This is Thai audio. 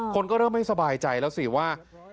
คนก็เริ่มไม่สบายใจแล้วสิว่า